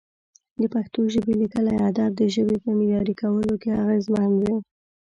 د پښتو ژبې لیکلي ادب د ژبې په معیاري کولو کې اغېزمن و.